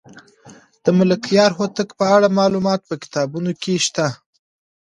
د ملکیار هوتک په اړه معلومات په کتابونو کې شته.